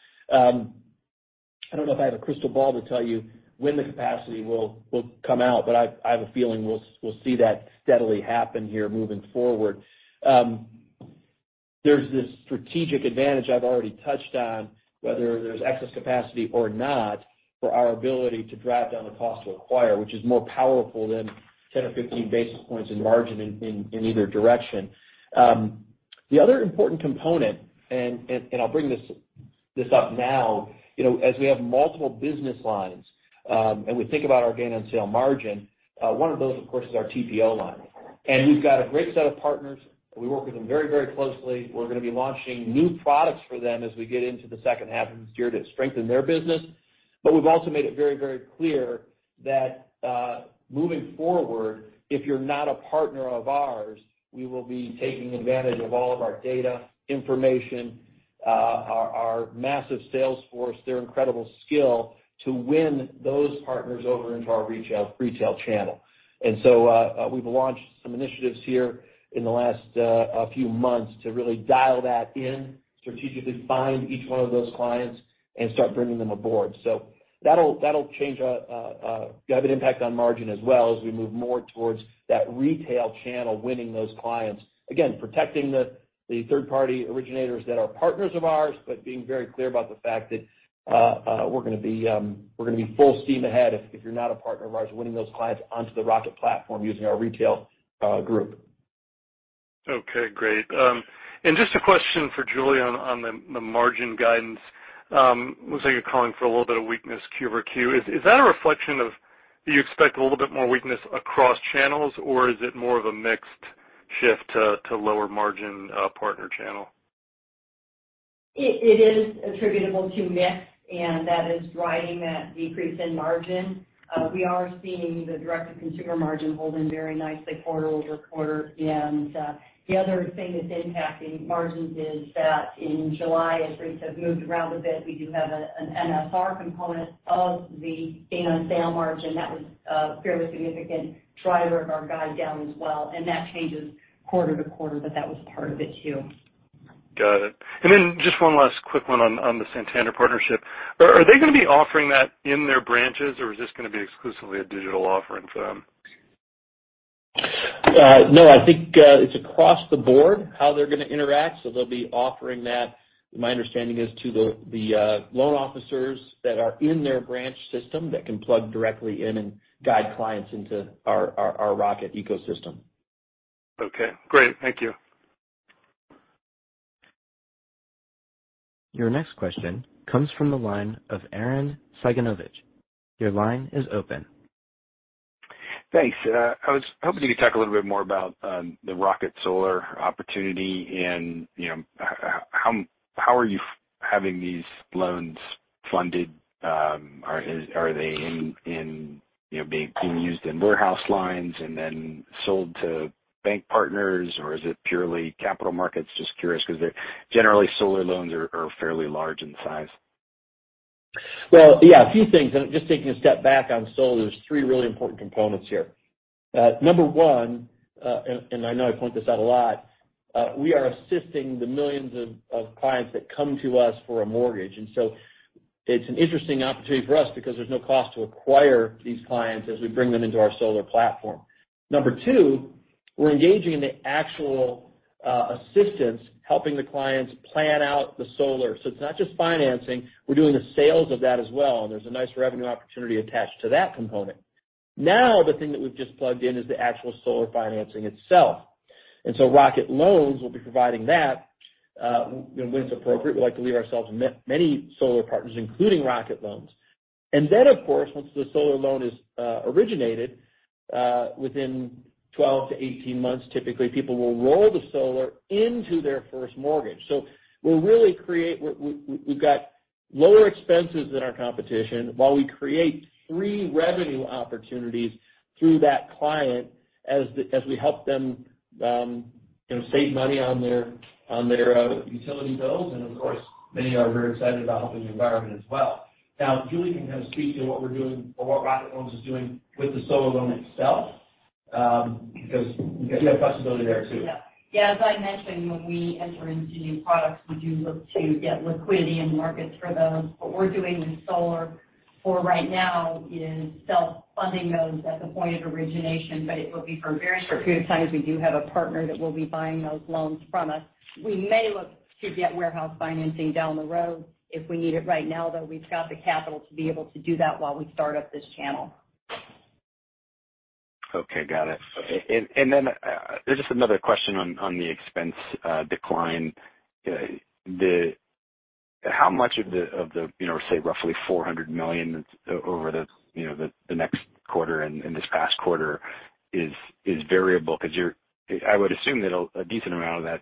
I don't know if I have a crystal ball to tell you when the capacity will come out, but I have a feeling we'll see that steadily happen here moving forward. There's this strategic advantage I've already touched on, whether there's excess capacity or not, for our ability to drive down the cost to acquire, which is more powerful than 10 or 15 basis points in margin in either direction. The other important component, I'll bring this up now as we have multiple business lines, and we think about our gain on sale margin, one of those, of course, is our TPO line. We've got a great set of partners. We work with them very, very closely. We're gonna be launching new products for them as we get into the second half of this year to strengthen their business. We've also made it very, very clear that, moving forward, if you're not a partner of ours, we will be taking advantage of all of our data, information, our massive sales force, their incredible skill to win those partners over into our retail channel. We've launched some initiatives here in the last few months to really dial that in, strategically find each one of those clients and start bringing them aboard. That'll change, have an impact on margin as well as we move more towards that retail channel, winning those clients. Again, protecting the third-party originators that are partners of ours, but being very clear about the fact that we're gonna be full steam ahead if you're not a partner of ours, winning those clients onto the Rocket platform using our retail group. Okay, great. Just a question for Julie on the margin guidance. Looks like you're calling for a little bit of weakness Q-over-Q. Is that a reflection of you expect a little bit more weakness across channels, or is it more of a mixed shift to lower margin partner channel? It is attributable to mix, and that is driving that decrease in margin. We are seeing the direct-to-consumer margin holding very nicely quarter over quarter. The other thing that's impacting margins is that in July, as rates have moved around a bit, we do have an MSR component of the gain on sale margin. That was a fairly significant driver of our guide down as well. That changes quarter to quarter, but that was part of it too. Got it. Just one last quick one on the Santander partnership. Are they gonna be offering that in their branches, or is this gonna be exclusively a digital offering for them? No, I think it's across the board how they're gonna interact, so they'll be offering that, my understanding is, to the loan officers that are in their branch system that can plug directly in and guide clients into our Rocket ecosystem. Okay, great. Thank you. Your next question comes from the line of Arren Cyganovich. Your line is open. Thanks. I was hoping you could talk a little bit more about the Rocket Solar opportunity and how are you having these loans funded? Are they being used in warehouse lines and then sold to bank partners? Or is it purely capital markets? Just curious 'cause they're generally, solar loans are fairly large in size. Well, yeah, a few things. Just taking a step back on solar, there's three really important components here. Number one, and I know I point this out a lot, we are assisting the millions of clients that come to us for a mortgage. It's an interesting opportunity for us because there's no cost to acquire these clients as we bring them into our solar platform. Number two, we're engaging in the actual assistance, helping the clients plan out the solar. It's not just financing. We're doing the sales of that as well, and there's a nice revenue opportunity attached to that component. Now, the thing that we've just plugged in is the actual solar financing itself. Rocket Loans will be providing that when it's appropriate. We like to leave ourselves many solar partners, including Rocket Loans. Of course, once the solar loan is originated within 12-18 months, typically, people will roll the solar into their first mortgage. We'll really create. We've got lower expenses than our competition while we create three revenue opportunities through that client as we help them save money on their utility bills. Of course, many are very excited about helping the environment as well. Now, Julie can kind of speak to what we're doing or what Rocket Loans is doing with the solar loan itself, because we've got flexibility there too. Yeah. Yeah, as I mentioned, when we enter into new products, we do look to get liquidity in markets for those. What we're doing with solar for right now is self-funding those at the point of origination, but it will be for a very short period of time, as we do have a partner that will be buying those loans from us. We may look to get warehouse financing down the road. If we need it right now, though, we've got the capital to be able to do that while we start up this channel. Okay, got it. Then just another question on the expense decline. How much of the say roughly $400 million over the next quarter and in this past quarter is variable? I would assume that a decent amount of that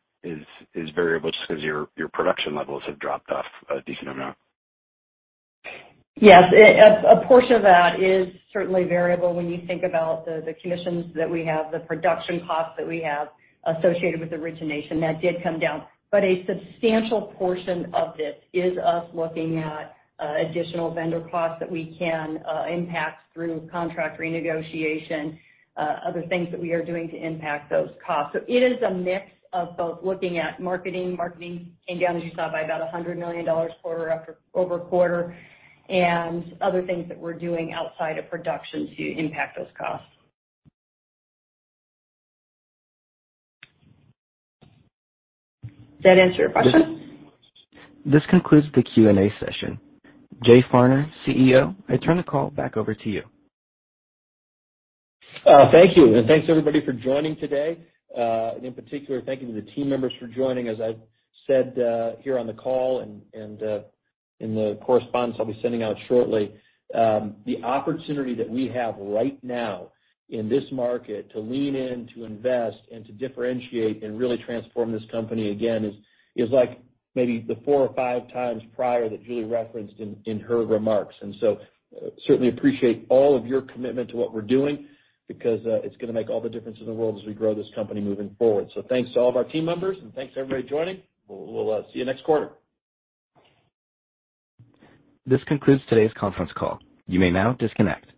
is variable just 'cause your production levels have dropped off a decent amount. Yes. A portion of that is certainly variable when you think about the commissions that we have, the production costs that we have associated with origination. That did come down. A substantial portion of this is us looking at additional vendor costs that we can impact through contract renegotiation, other things that we are doing to impact those costs. It is a mix of both looking at marketing. Marketing came down, as you saw, by about $100 million quarter-over-quarter, and other things that we're doing outside of production to impact those costs. Does that answer your question? This concludes the Q&A session. Jay Farner, CEO, I turn the call back over to you. Thank you. Thanks everybody for joining today. In particular, thank you to the team members for joining. As I've said, here on the call and in the correspondence I'll be sending out shortly, the opportunity that we have right now in this market to lean in, to invest, and to differentiate and really transform this company again is like maybe the four or five times prior that Julie referenced in her remarks. Certainly appreciate all of your commitment to what we're doing because it's gonna make all the difference in the world as we grow this company moving forward. Thanks to all of our team members, and thanks to everybody joining. We'll see you next quarter. This concludes today's conference call. You may now disconnect.